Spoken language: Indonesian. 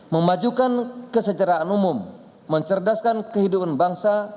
memajukan kesejahteraan umum mencerdaskan kehidupan bangsa